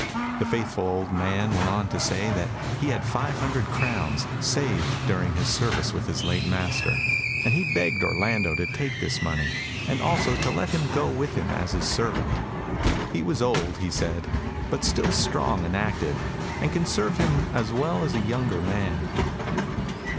The faithful old man went on to say he had five hundred crowns, saved during his service with his late master, and he begged Orlando to take this money, and also to let him go with him as his servant. He was old, he said, but still strong and active, and could serve him as well as a younger man.